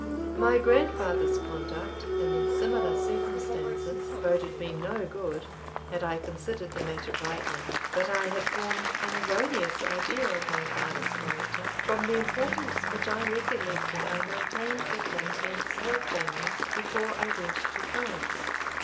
My grandfather's conduct, in similar circumstances, boded me no good, had I considered the matter rightly. But I had formed an erroneous idea of my father's character, from the importance which I recollected I maintained with him and his whole family before I went to France.